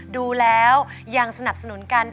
ดูแล้วยังสนับสนุนกัน